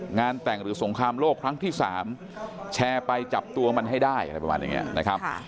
แต่งหรือสงครามโลกครั้งที่๓แชร์ไปจับตัวมันให้ได้อะไรประมาณอย่างนี้นะครับ